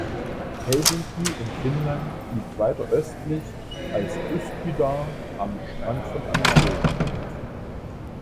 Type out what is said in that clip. Helsinki in Finnland liegt weiter östlich als Üsküdar am Strand von Anatolien.